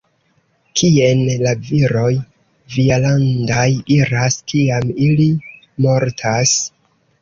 Kien la viroj vialandaj iras, kiam ili mortas?